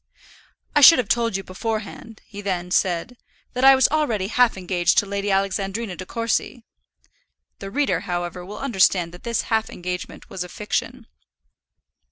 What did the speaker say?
"I should have told you beforehand," he then said, "that I was already half engaged to Lady Alexandrina De Courcy." The reader, however, will understand that this half engagement was a fiction.